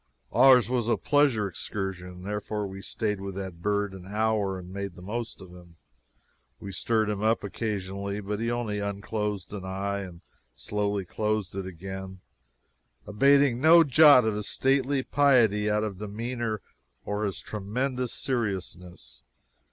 Ours was a pleasure excursion; therefore we stayed with that bird an hour and made the most of him. We stirred him up occasionally, but he only unclosed an eye and slowly closed it again, abating no jot of his stately piety of demeanor or his tremendous seriousness.